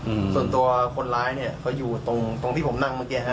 อืมส่วนตัวคนร้ายเนี้ยเขาอยู่ตรงตรงที่ผมนั่งเมื่อกี้ฮ